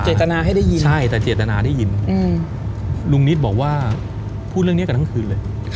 เจตนาให้ได้ยินใช่แต่เจตนาได้ยินลุงนิดบอกว่าพูดเรื่องนี้กันทั้งคืนเลย